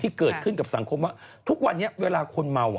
ที่เกิดขึ้นกับสังคมว่าทุกวันนี้เวลาคนเมาอ่ะ